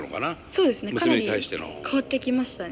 そうですねかなり変わってきましたね。